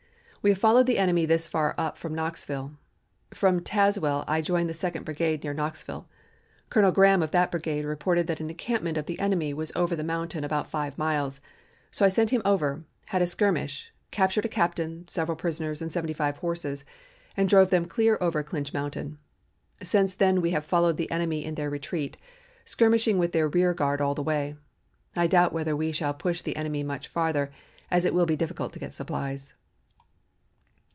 We have followed the enemy this far up from Knoxville. From Tazewell I joined the Second Brigade near Knoxville. Colonel Graham of that brigade reported that an encampment of the enemy was over the mountain about five miles, so I sent him over, had a skirmish, captured a captain, several prisoners, and seventy five horses, and drove them clear over Clinch Mountain. Since then we have followed the enemy in their retreat, skirmishing with their rear guard all the way. I doubt whether we shall push the enemy much farther, as it will be difficult to get supplies."